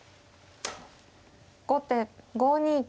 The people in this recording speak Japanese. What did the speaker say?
後手５二金。